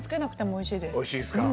美味しいですか。